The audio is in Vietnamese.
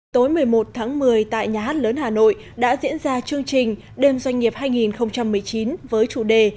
tối một mươi một tháng một mươi tại nhà hát lớn hà nội đã diễn ra chương trình đêm doanh nghiệp hai nghìn một mươi chín với chủ đề